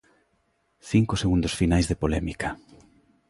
Cinco segundos finais de polémica.